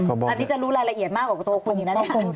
อันนี้จะรู้รายละเอียดมากกว่าตัวคุณอยู่นะเนี่ย